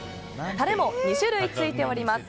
タレも２種類ついております。